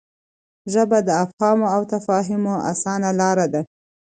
ژبه د افهام او تفهیم اسانه لار ده.